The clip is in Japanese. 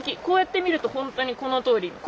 こうやって見るとほんとにこのとおり。